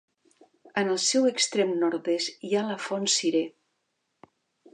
En el seu extrem nord-est hi ha la Font Cirer.